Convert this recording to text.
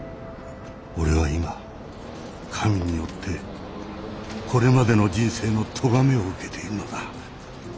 俺は今神によってこれまでの人生のとがめを受けているのだ。